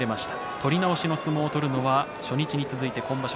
取り直しの相撲を取るのは初日に続いて今場所